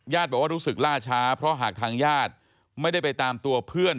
บอกว่ารู้สึกล่าช้าเพราะหากทางญาติไม่ได้ไปตามตัวเพื่อน